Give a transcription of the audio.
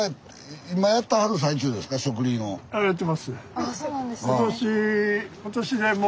ああそうなんですね。